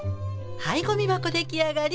はいゴミ箱出来上がり。